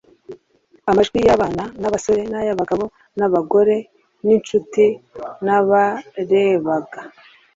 Amajwi y'abana n'abasore, ay'abagabo n'abagore, n'inshuti n'abarebaga,